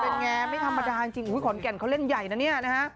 เป็นไงไม่ธรรมดาจริงขอนแก่นเขาเล่นใหญ่นะเนี่ยนะฮะ